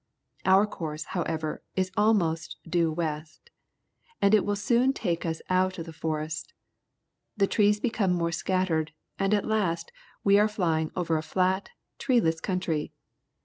Our course, however, is almost due west, and it will soon take us out of the forest. The trees become more scattered, and at last we are flying over a flat, treeless country.